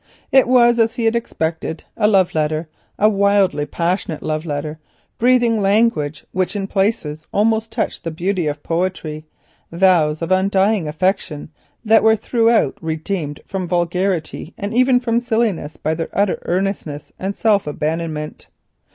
It was, as he had expected, a love letter, a wildly passionate love letter, breathing language which in some places almost touched the beauty of poetry, vows of undying affection that were throughout redeemed from vulgarity and even from silliness by their utter earnestness and self abandonment.